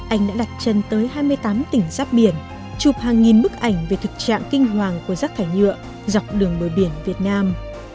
anh đã đặt chân tới hai mươi tám tỉnh giáp biển chụp hàng nghìn bức ảnh về thực trạng kinh hoàng của rác thải nhựa dọc đường bờ biển việt nam